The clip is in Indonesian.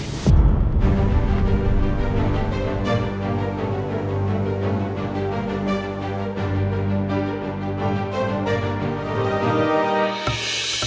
mau ke mana dia